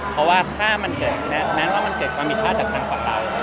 เพราะว่าถ้ามันเกิดแม้ว่ามันเกิดความผิดพลาดจากนั้นกว่าเรา